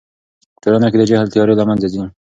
په ټولنه کې د جهل تیارې له منځه ځي.